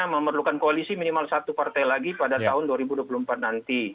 memerlukan koalisi minimal satu partai lagi pada tahun dua ribu dua puluh empat nanti